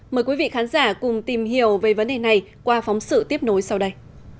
mời quý vị khán giả cùng tìm hiểu về vấn đề này qua phóng sự tiếp nối sau đây